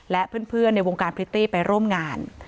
และเพื่อนในวงการพฤติไปร่มงาน